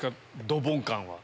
ドボン感は。